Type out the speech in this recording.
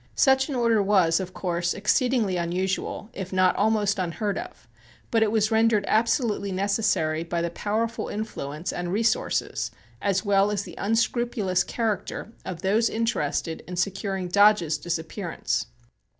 Such an order was, of course, exceedingly unusual, if not almost unheard of, but it was rendered absolutely necessary by the powerful influence and resources, as well as the unscrupulous character, of those interested in securing Dodge's disappearance.